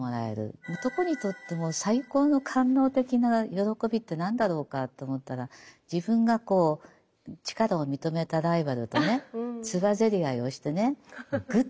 男にとって最高の官能的な喜びって何だろうかと思ったら自分が力を認めたライバルとねつばぜり合いをしてねぐっと踏み込んでね